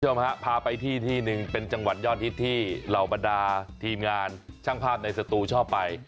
คุณผู้ชมฮะพาไปที่ที่หนึ่งเป็นจังหวัดยอดฮิตที่เหล่าบรรดาทีมงานช่างภาพในสตูชอบไป